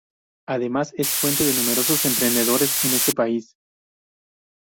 Además, es fuente de numerosos emprendedores en este país.